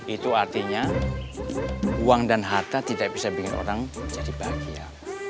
itu artinya uang dan harta tidak bisa bikin orang jadi bahagia